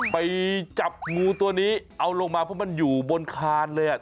ไปจับงูตัวนี้เอาลงมาเพราะมันอยู่บนคานเลยอ่ะ